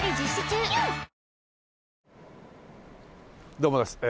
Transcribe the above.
どうもです。